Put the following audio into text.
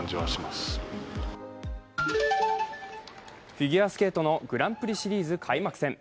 フィギュアスケートのグランプリシリーズ開幕戦。